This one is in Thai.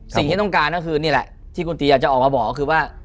สิ่งที่ต้องการก็คือนี่แหละที่คุณตีอยากจะออกมาบอกก็คือว่า